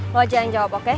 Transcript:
lo jangan jawab oke